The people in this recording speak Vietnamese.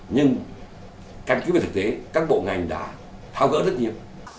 nhưng cạnh cứu về thực tế các bộ ngành đã thao gỡ rất nhiều